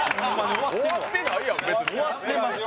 終わってないやん。